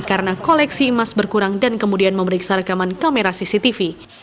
karena koleksi emas berkurang dan kemudian memeriksa rekaman kamera cctv